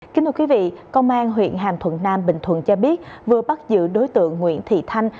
kính thưa quý vị công an huyện hàm thuận nam bình thuận cho biết vừa bắt giữ đối tượng nguyễn thị thanh